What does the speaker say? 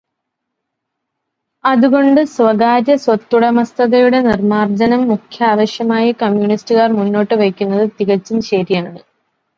അതുകൊണ്ട്, സ്വകാര്യസ്വത്തുടമസ്ഥതയുടെ നിർമ്മാജ്ജനം മുഖ്യാവശ്യമായി കമ്മ്യൂണിസ്റ്റുകാർ മുന്നോട്ട് വയ്ക്കുന്നത് തികച്ചും ശരിയാണ്.